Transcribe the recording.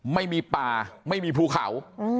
ไม่มีป่าไม่มีภูเขา